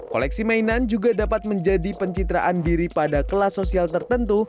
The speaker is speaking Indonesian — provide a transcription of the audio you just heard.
koleksi mainan juga dapat menjadi pencitraan diri pada kelas sosial tertentu